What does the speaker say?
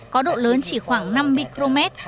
có độ lớn chỉ khoảng năm micromet